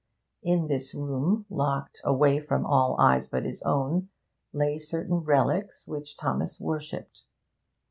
In this room, locked away from all eyes but his own, lay certain relics which Thomas worshipped.